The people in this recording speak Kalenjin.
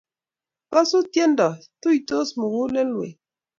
Kosu tiendo, tuitos mugulekwek